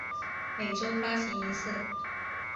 每周发刊一次。